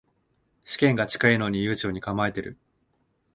試験が近いのに悠長に構えてる